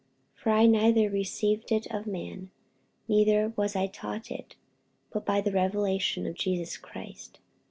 48:001:012 For I neither received it of man, neither was I taught it, but by the revelation of Jesus Christ.